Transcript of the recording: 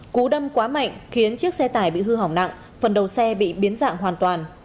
cú đâm quá mạnh khiến chiếc xe tải bị hư hỏng nặng phần đầu xe bị biến dạng hoàn toàn